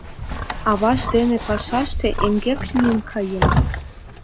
Аваж дене пашаште эҥгек лийын каен.